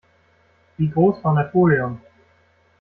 Wie groß war Napoleon?